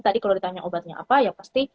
tadi kalau ditanya obatnya apa ya pasti